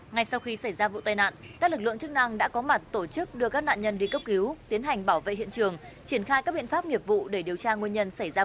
ngay sau khi xảy ra vụ tai nạn các lực lượng chức năng đã có mặt tổ chức đưa các nạn nhân đi cấp cứu tiến hành bảo vệ hiện trường triển khai các biện pháp nghiệp vụ để điều tra nguyên nhân xảy ra tai nạn